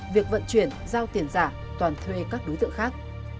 việc vận chuyển giao tiền giả toàn thuê các đối tượng khác